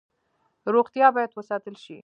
روغتیا باید وساتل شي